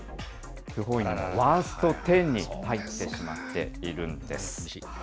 不本意にも、ワースト１０に入ってしまっているんです。